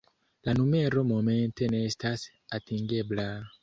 La numero momente ne estas atingebla...